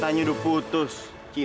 jangan wrak da ultimatu